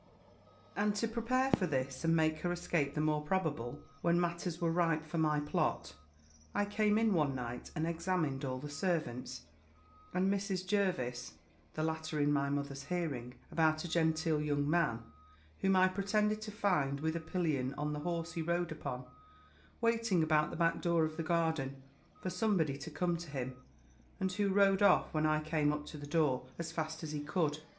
"And to prepare for this, and make her escape the more probable, when matters were ripe for my plot, I came in one night, and examined all the servants, and Mrs. Jervis, the latter in my mother's hearing, about a genteel young man, whom I pretended to find with a pillion on the horse he rode upon, waiting about the back door of the garden, for somebody to come to him; and who rode off, when I came up to the door, as fast as he could.